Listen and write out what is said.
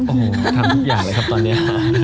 โอ้โหทำทุกอย่างเลยครับตอนนี้